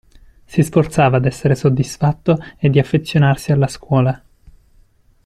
Si sforzava d'essere soddisfatto e di affezionarsi alla scuola.